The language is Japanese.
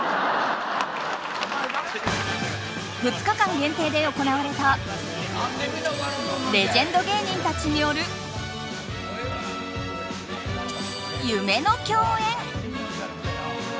２日間限定で行われたレジェンド芸人たちによる夢の共演。